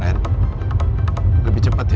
ren lebih cepat ya